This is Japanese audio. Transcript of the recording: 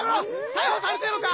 逮捕されてぇのか！